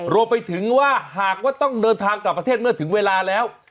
รวมไปถึงว่าหากว่าต้องเดินทางกลับประเทศเมื่อถึงเวลาแล้ว